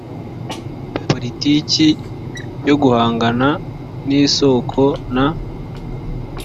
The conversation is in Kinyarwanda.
politiki yo guhangana ku isoko na